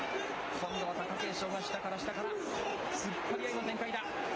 今度は貴景勝が下から下から、突っ張り合いの展開だ。